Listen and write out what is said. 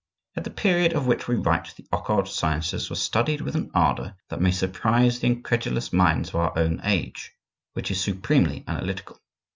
At the period of which we write the occult sciences were studied with an ardor that may surprise the incredulous minds of our own age, which is supremely analytical.